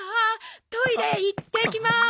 トイレ行ってきます！